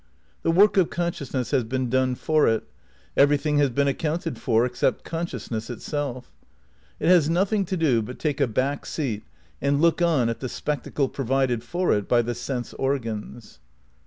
The work of consciousness has been done for it; everything has been accounted for — except consciousness itself. It has nothing to do but take a back seat and look on at the spectacle provided for it by the sense organs.